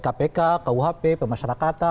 kpk kuap pemasyarakatan